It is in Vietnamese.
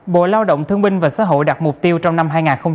bộ lao động thương minh và xã hội đặt mục tiêu trong năm hai nghìn một mươi chín